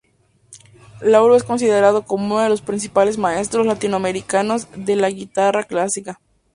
Lauro es considerado como uno de los principales maestros latinoamericanos de la guitarra clásica.